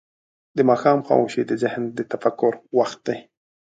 د ماښام خاموشي د ذهن د تفکر وخت دی.